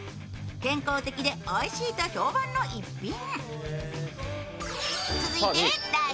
健康的でおいしいと評判の一品。